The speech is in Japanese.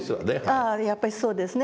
ああやっぱりそうですね。